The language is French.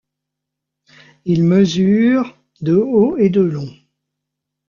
Il mesure de haut et de long.